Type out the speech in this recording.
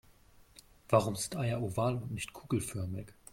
Warum sind Eier oval und nicht kugelförmig?